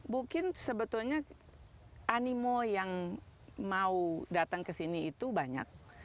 mungkin sebetulnya animo yang mau datang ke sini itu banyak